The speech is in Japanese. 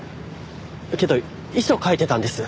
けど遺書書いてたんです。